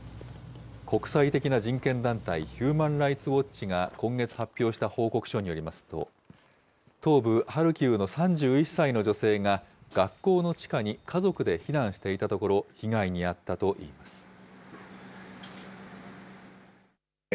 国際的な人権団体、ヒューマン・ライツ・ウォッチが今月発表した報告書によりますと、東部ハルキウの３１歳の女性が、学校の地下に家族で避難していたところ、被害に遭ったといいます。